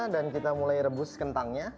kita mulai rebus kentangnya